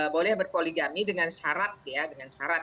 boleh berpoligami dengan syarat ya dengan syarat